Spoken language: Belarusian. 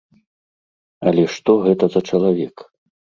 Але што гэта за чалавек?